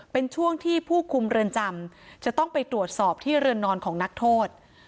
เป็นช่วงที่ผู้คุมเรือนจำจะต้องไปตรวจสอบที่เรือนนอนของนักโทษ